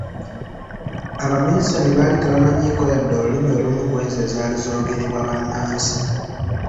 Abaminsani baali tebamanyiiko yadde Olulimi olumu ku ezo ezaali zoogerebwa bannansi.